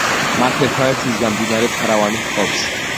მათ ერთმანეთისგან მდინარე ფარავანი ჰყოფს.